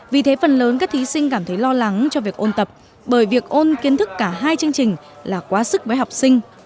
vì thế phần lớn các thí sinh cảm thấy lo lắng cho việc ôn tập bởi việc ôn kiến thức cả hai chương trình là quá sức với học sinh